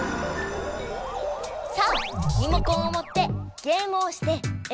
さあリモコンをもってゲームをしてエナジーをためよう！